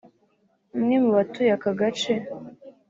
umwe mu batuye aka gace